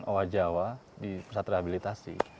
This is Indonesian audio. owa jawa di pusat rehabilitasi